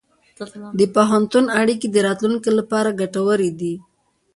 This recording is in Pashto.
د پوهنتون اړیکې د راتلونکي لپاره ګټورې دي.